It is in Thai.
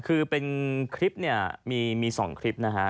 คือเป็นคลิปเนี่ยมี๒คลิปนะฮะ